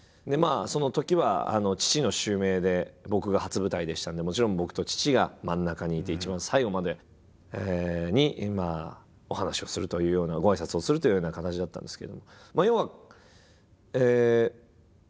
そのときは父の襲名で僕が初舞台でしたのでもちろん僕と父が真ん中にいて一番最後にお話をするというようなごあいさつをするというような形だったんですけれども。